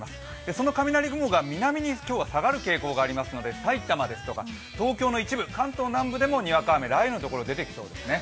その雷雲が南に今日は下がる傾向にありますので埼玉や東京の一部、関東の南部でもにわか雨、雷雨の所が出てきそうですね。